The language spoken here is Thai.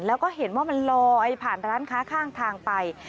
แล้วก็เห็นว่ามันลอยผ่านร้านค้าข้างทางไป